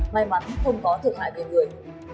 may mắn không có thực hại biệt người